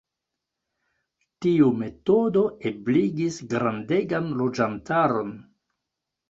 Tiu metodo ebligis grandegan loĝantaron.